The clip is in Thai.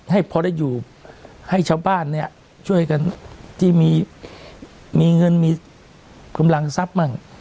ให้พอได้อยู่ให้ชาวบ้านเนี่ยช่วยกันที่มีเงินมีกำลังทรัพย์มั่ง